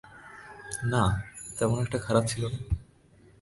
না, তেমন একটা খারাপ ছিল না।